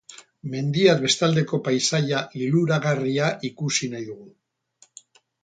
Mendiaz bestaldeko paisaia liluragarria ikusi nahi dugu.